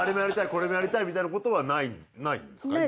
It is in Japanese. これもやりたいみたいなことはないんですか？